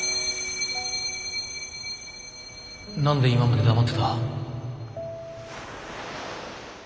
何で今まで黙ってた？